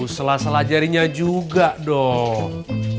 sela sela jarinya juga dong